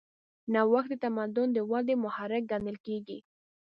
نوښت د تمدن د ودې محرک ګڼل کېږي.